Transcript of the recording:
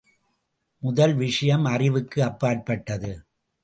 முதல் விஷயம் அறிவுக்கு அப்பாற்பட்டது.